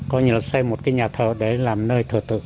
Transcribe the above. coi như là xây một cái nhà thờ để làm nơi